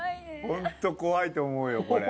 ホント怖いと思うよこれ。